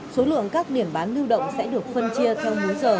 số lượng các điểm bán lưu động sẽ được phân chia theo bốn giờ